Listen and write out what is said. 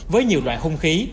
với nhiều loại hung khí